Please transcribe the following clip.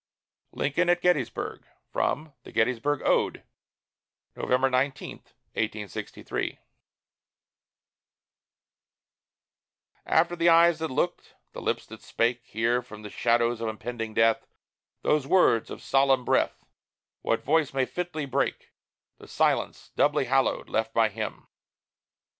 LINCOLN AT GETTYSBURG From the "Gettysburg Ode" [November 19, 1863] After the eyes that looked, the lips that spake Here, from the shadows of impending death, Those words of solemn breath, What voice may fitly break The silence, doubly hallowed, left by him?